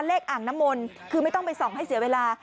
อ่างน้ำมนต์คือไม่ต้องไปส่องให้เสียเวลา